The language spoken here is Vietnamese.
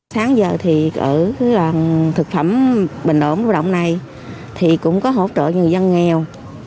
sáng giờ thì ở thực phẩm bình ổn bình ổn này thì cũng có hỗ trợ nhiều dân nghèo